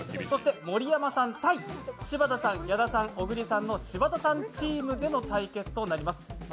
盛山さん対柴田さん、小栗さん、矢田さんの柴田さんチームの対決となります。